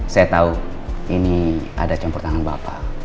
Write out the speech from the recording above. saya tahu ini ada campur tangan bapak